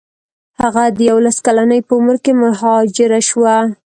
هغه د یوولس کلنۍ په عمر کې مهاجره شوه.